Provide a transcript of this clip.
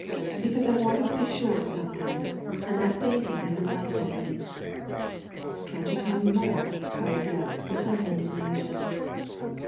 '* "Because I wanted to be sure of something; and that fainting has enlightened me." " Can't you tell me more ?" cried Gebb, with some indignation.